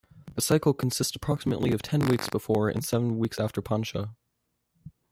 The cycle consists of approximately ten weeks before and seven weeks after Pascha.